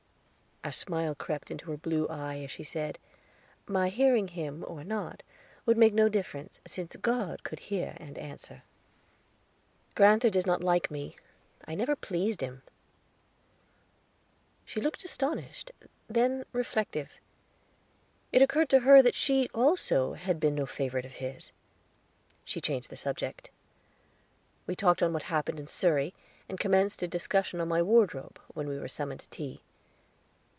A smile crept into her blue eye, as she said: "My hearing him, or not, would make no difference, since God could hear and answer." "Grand'ther does not like me; I never pleased him." She looked astonished, then reflective. It occurred to her that she, also, had been no favorite of his. She changed the subject. We talked on what had happened in Surrey, and commenced a discussion on my wardrobe, when we were summoned to tea.